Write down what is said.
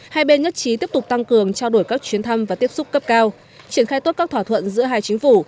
hai bên nhất trí tiếp tục tăng cường trao đổi các chuyến thăm và tiếp xúc cấp cao triển khai tốt các thỏa thuận giữa hai chính phủ